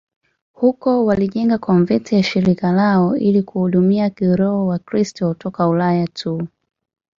Huko walijenga konventi ya shirika lao ili kuhudumia kiroho Wakristo toka Ulaya tu.